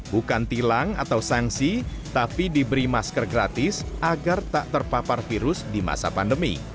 bukan tilang atau sanksi tapi diberi masker gratis agar tak terpapar virus di masa pandemi